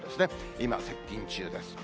今、接近中です。